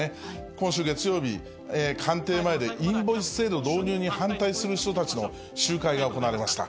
今週月曜日、官邸前でインボイス制度導入に反対する人たちの集会が行われました。